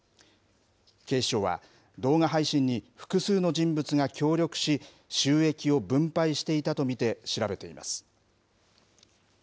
警視庁は、動画配信に複数の人物が協力し、収益を分配していたと見て、調べています。